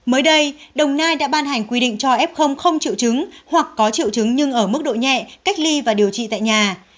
mới đây đồng nai đã ban hành quy định cho f không triệu chứng hoặc có triệu chứng nhưng ở mức độ nhẹ cách ly và điều trị tại nhà